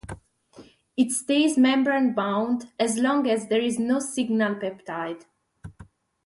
It stays membrane-bound as long as there is no signal peptide.